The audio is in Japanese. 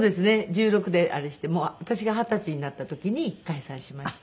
１６であれして私が二十歳になった時に解散しました。